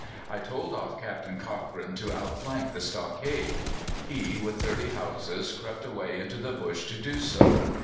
I told off Captain Cochrane to outflank the stockade. He, with thirty Hausas, crept away into the bush to do so.